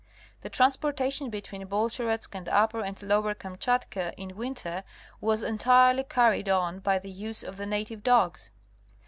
The transportation between Bol sheretsk and Upper and Lower Kamchatka in winter was entirely carried on by the use of the native dogs.